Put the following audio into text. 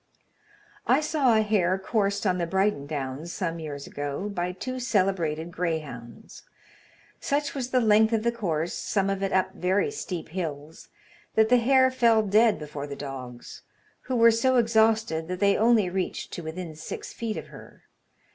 I saw a hare coursed on the Brighton Downs some years ago by two celebrated greyhounds. Such was the length of the course, some of it up very steep hills, that the hare fell dead before the dogs, who were so exhausted that they only reached to within six feet of her.